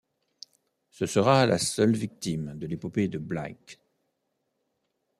Ce sera la seule victime de l'épopée de Bligh.